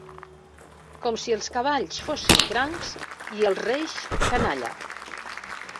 Com si els cavalls fossin crancs i els reis canalla.